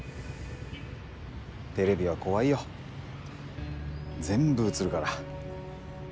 テレビは怖いよ全部映るから。